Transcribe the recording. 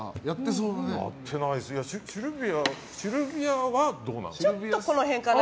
シルビアは、どうなの？